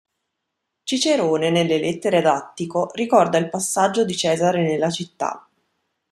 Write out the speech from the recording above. Cicerone nelle lettere ad Attico ricorda il passaggio di Cesare nella città.